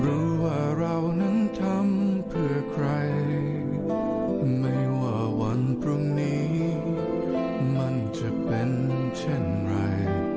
รู้ว่าเรานั้นทำเพื่อใครไม่ว่าวันพรุ่งนี้มันจะเป็นเช่นไร